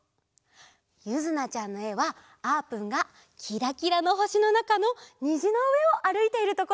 ゆずなちゃんのえはあーぷんがきらきらのほしのなかのにじのうえをあるいているところなんだって！